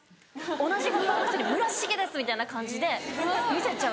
同じフロアの人に「村重です！」みたいな感じで見せちゃう。